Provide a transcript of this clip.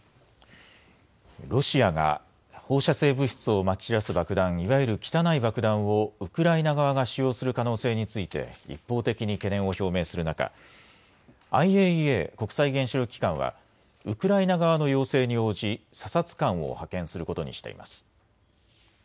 ロシアが放射性物質をまき散らす爆弾、いわゆる汚い爆弾をウクライナ側が使用する可能性について一方的に懸念を表明する中、ＩＡＥＡ・国際原子力機関はウクライナ側の要請に応じ査察官を派遣することにしています。